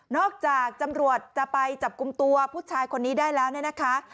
จากตำรวจจะไปจับกลุ่มตัวผู้ชายคนนี้ได้แล้วเนี่ยนะคะ